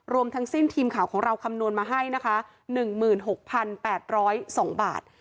รวมทั้งสิ้นทีมข่าวของเราคำนวณมาให้นะคะ๑๖๘๐๒บาท